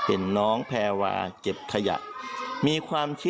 เออนั่นสิ